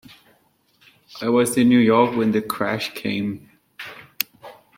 I was in New York when the crash came.